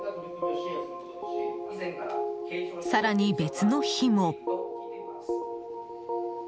更に別の日も。